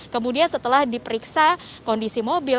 kemudian setelah diperiksa kondisi mobil